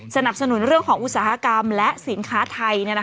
สนับสนุนเรื่องของอุตสาหกรรมและสินค้าไทย